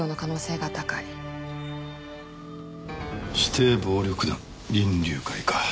指定暴力団銀龍会か。